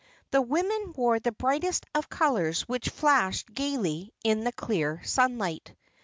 The women wore the brightest of colors which flashed gaily in the clear sunlight.